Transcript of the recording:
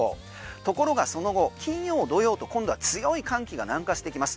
ところがその後金曜土曜と今度は強い寒気が南下してきます。